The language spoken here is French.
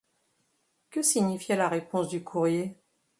Que signifiait la réponse du courrier?